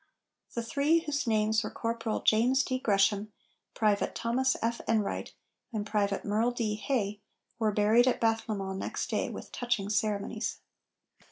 The three, whose names were Corporal James D. Gresham, Private Thomas F. Enright, and Private Merle D. Hay, were buried at Bathlemont next day, with touching ceremonies.